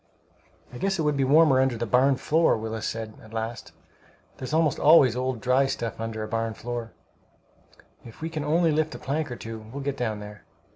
"I guess it would be warmer under the barn floor," Willis said, at last. "There's almost always old dry stuff under a barn floor. If we can only lift up a plank or two, we'll get down there."